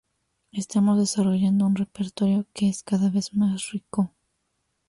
Estamos desarrollando un repertorio que es cada vez más rico".